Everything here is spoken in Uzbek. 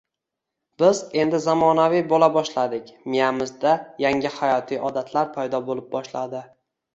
Biz endi zamonaviy bo’la boshladik, miyamizda yangi hayotiy odatlar paydo bo’lib boshladi